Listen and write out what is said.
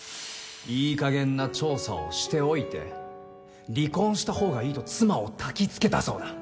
いいかげんな調査をしておいて離婚した方がいいと妻をたきつけたそうだ